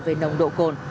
về nồng độ cồn